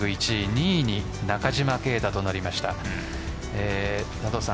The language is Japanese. ２位に中島啓太となりました。